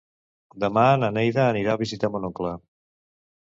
Demà na Neida anirà a visitar mon oncle.